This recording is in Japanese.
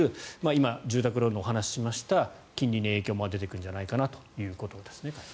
今、住宅ローンの話もしました金利にも影響が出てくるんじゃないかということですね。